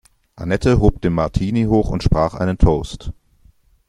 Annette hob den Martini hoch und sprach einen Toast.